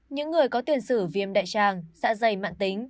những người có tuyển sử viêm đại trạng xạ dày mạn tính